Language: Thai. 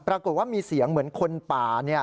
ปรากฏว่ามีเสียงเหมือนคนป่า